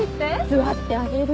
座ってあげる。